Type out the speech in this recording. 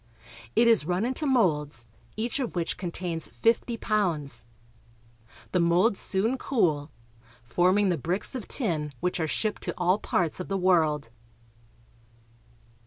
It is run into molds, each of which contains fifty pounds. The molds soon cool, forming the bricks of tin which are shipped to all parts of the world.